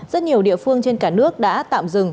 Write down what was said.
rất nhiều địa phương trên cả nước đã tạm dừng